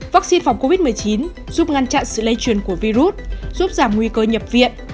vaccine phòng covid một mươi chín giúp ngăn chặn sự lây truyền của virus giúp giảm nguy cơ nhập viện